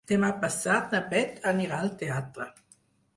Demà passat na Beth anirà al teatre.